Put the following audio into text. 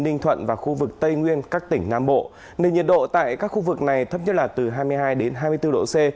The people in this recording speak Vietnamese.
ninh thuận và khu vực tây nguyên các tỉnh nam bộ nền nhiệt độ tại các khu vực này thấp nhất là từ hai mươi hai hai mươi bốn độ c